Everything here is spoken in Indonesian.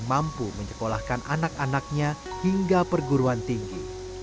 mampu menyekolahkan anak anaknya hingga perguruan tinggi